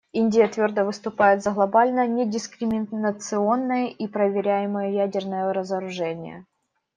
Индия твердо выступает за глобальное недискриминационное и проверяемое ядерное разоружение.